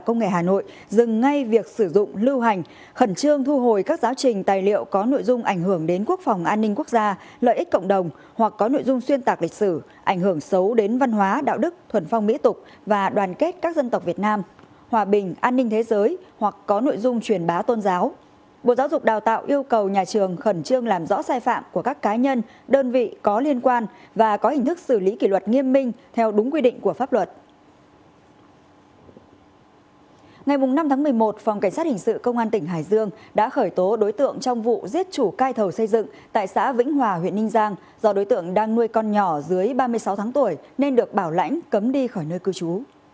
ngày năm tháng một mươi một phòng cảnh sát hình sự công an tỉnh hải dương đã khởi tố đối tượng trong vụ giết chủ cai thầu xây dựng tại xã vĩnh hòa huyện ninh giang do đối tượng đang nuôi con nhỏ dưới ba mươi sáu tháng tuổi nên được bảo lãnh cấm đi khỏi nơi cư trú